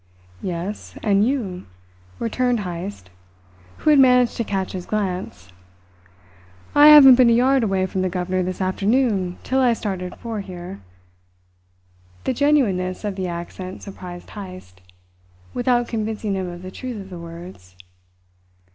"Yes. And you?" returned Heyst, who had managed to catch his glance. "I haven't been a yard away from the governor this afternoon till I started for here." The genuineness of the accent surprised Heyst, without convincing him of the truth of the words.